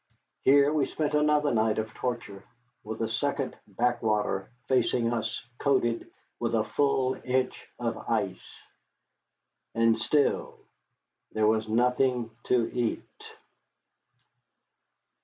Here we spent another night of torture, with a second backwater facing us coated with a full inch of ice. And still there was nothing to eat.